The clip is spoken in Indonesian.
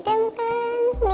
saya merasa miris